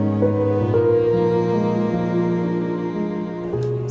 setiap derai air mata yang dijatuhkan prusina